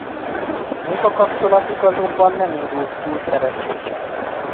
Munkakapcsolatuk azonban nem indult túl szerencsésen.